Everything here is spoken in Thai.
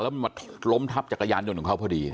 แล้วมันมาล้มทับจักรยานยนต์ของเขาพอดี